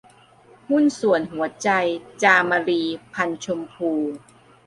หุ้นส่วนหัวใจ - จามรี พรรณชมพู